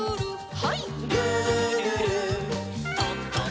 はい。